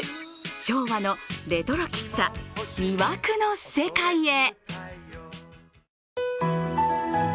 昭和のレトロ喫茶魅惑の世界へ。